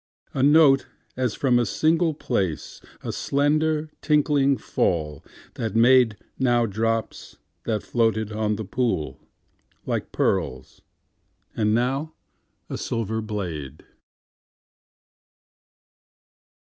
A note as from a single place,A slender tinkling fall that madeNow drops that floated on the poolLike pearls, and now a silver blade.